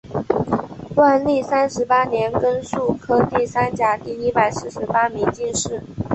万历三十八年庚戌科第三甲第一百四十八名进士。